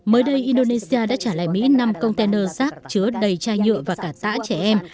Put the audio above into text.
mới đây indonesia đã trả lại mỹ năm container rác chứa đầy chai nhựa và cả tã trẻ em